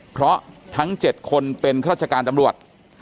เพราะทั้ง๗คนเป็นข้าราชการตำรวจ